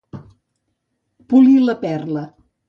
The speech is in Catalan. Polir la perla.